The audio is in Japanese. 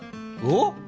おっ？